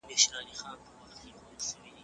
که په ناسم ځای کي پاته سې، قدر به دې کم سي.